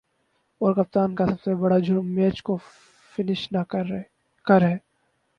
اور کپتان کا سب سے بڑا"جرم" میچ کو فنش نہ کر ہے